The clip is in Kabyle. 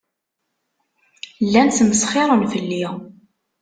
Llan smesxiren fell-i.